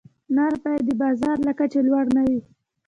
نرخ باید د بازار له کچې لوړ نه وي.